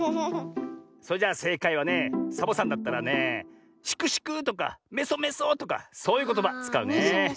それじゃあせいかいはねサボさんだったらねシクシクとかメソメソとかそういうことばつかうね。